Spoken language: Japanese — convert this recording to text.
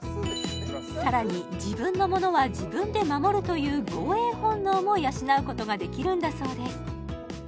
さらに自分のものは自分で守るという防衛本能も養うことができるんだそうです